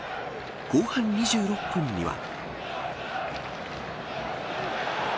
後半２６分には。